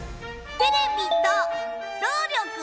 テレビと労力。